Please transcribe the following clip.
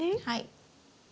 はい。